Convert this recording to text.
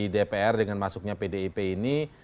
dpr dengan masuknya pdip ini